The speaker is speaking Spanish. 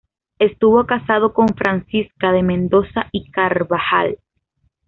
Estuvo casado con Francisca de Mendoza y Carvajal.